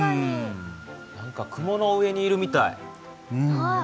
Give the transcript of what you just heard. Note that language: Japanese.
何か雲の上にいるみたい。